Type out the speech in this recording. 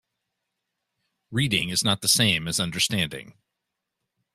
Reading is not the same as understanding.